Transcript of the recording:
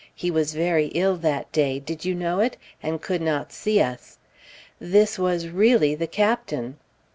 He was very ill that day (did you know it?) and could not see us. This was really the Captain."